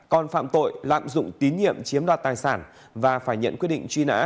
còn phạm tội lạm dụng tín nhiệm chiếm đoạt tài sản và phải nhận quyết định truy nã